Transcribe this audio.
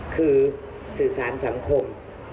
คือสื่อสารสังคม